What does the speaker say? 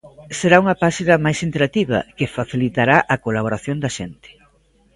Será unha páxina máis interactiva, que facilitará a colaboración da xente.